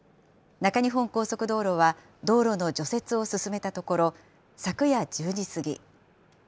中日本高速道路は、道路の除雪を進めたところ、昨夜１０時過ぎ。